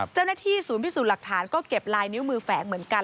เจ้าหน้าที่ศูนย์พิสูจน์หลักฐานก็เก็บลายนิ้วมือแฝงเหมือนกัน